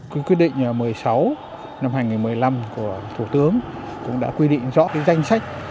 cái quyết định một mươi sáu năm hai nghìn một mươi năm của thủ tướng cũng đã quy định rõ danh sách